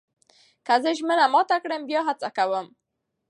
که زه ژمنه مات کړم، بیا هڅه کوم.